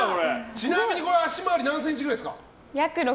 ちなみに足回りは何センチくらいですか？